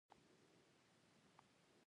د کابل پر لور سفر پیل کړ.